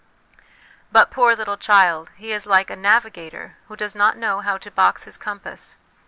But, poor little child, he is like a navigator who does not know how to box his compass.